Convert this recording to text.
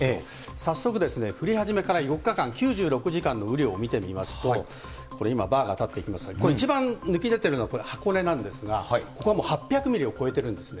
早速、降り始めから４日間、９６時間の雨量を見てみますと、これ今、バーが立っていますけれども、これ一番抜き出てるのが、これ、箱根なんですが、ここはもう８００ミリを超えているんですね。